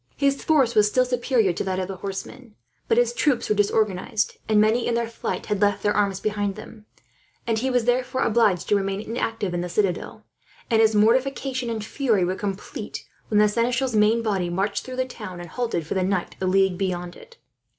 His force was still superior to that of the horsemen, but his troops were disorganized; and many, in their flight, had left their arms behind them, and he was therefore obliged to remain inactive in the citadel; and his mortification and fury were complete, when the seneschal's main body marched through the town and halted, for the night, a league beyond it.